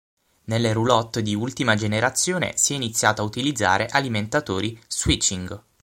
Nelle roulotte di ultima generazione si è iniziato a utilizzare alimentatori switching.